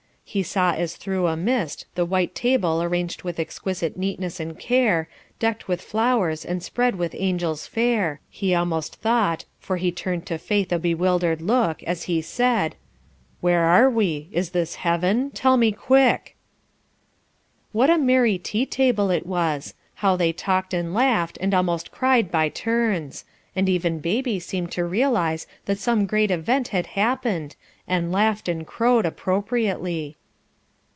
He saw as through a mist the white table arranged with exquisite neatness and care, decked with flowers and spread with angel's fare, he almost thought, for he turned to Faith a bewildered look, as he said: "Where are we? Is this heaven? Tell me quick!" What a merry tea table it was; how they talked and laughed, and almost cried by turns! and even baby seemed to realise that some great event had happened, and laughed and crowed appropriately.